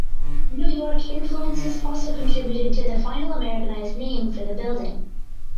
New York influences also contributed to the final Americanised name for the building.